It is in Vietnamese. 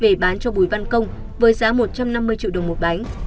về bán cho bùi văn công với giá một trăm năm mươi triệu đồng một bánh